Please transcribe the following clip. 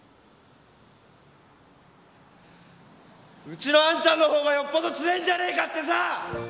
うちのあんちゃんの方がよっぽど強ぇんじゃねえかってさ。